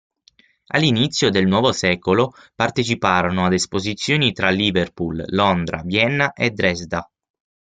All'inizio del nuovo secolo, parteciparono ad esposizioni tra Liverpool, Londra, Vienna e Dresda.